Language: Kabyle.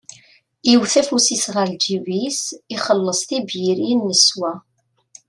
Iwwet afus-is ɣer lǧib-is, ixelles tibyirin neswa.